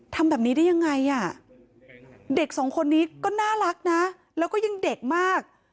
ทำแบบนี้ได้ยังไงอ่ะเด็กสองคนนี้ก็น่ารักนะแล้วก็ยังเด็กมาก